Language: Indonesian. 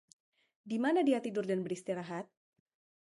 Dimana dia tidur dan beristirahat?